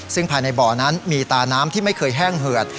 ซึ่งภายในบ่อนั้นมีตาน้ำที่ไม่เคยแห้งเหือด